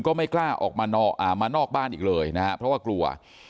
ก็ไม่กล้าออกมานอกบ้านอีกเลยนะครับเพราะว่ากลัว